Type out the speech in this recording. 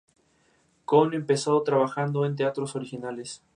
El dúo promocionó el álbum extensivamente, incluyendo numerosas actuaciones.